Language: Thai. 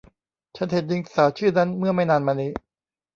ฉันเห็นหญิงสาวชื่อนั้นเมื่อไม่นานมานี้